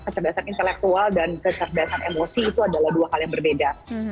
kecerdasan intelektual dan kecerdasan emosi itu adalah dua hal yang berbeda